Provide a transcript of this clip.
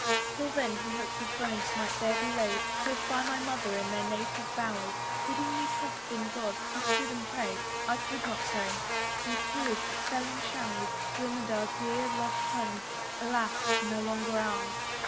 Till then he hoped his bones might there be laid, Close by my mother in their native bowers: Bidding me trust in God, he stood and prayed, I could not pray: through tears that fell in showers, Glimmer'd our dear loved home, alas! no longer ours!